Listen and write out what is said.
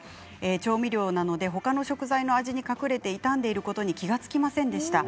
調味料なので他の食材の味に隠れて傷んでいることに気が付きませんでした。